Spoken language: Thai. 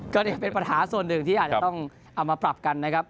ก็นี่เป็นปัญหาส่วนหนึ่งที่อาจจะต้องเอามาปรับกันนะครับ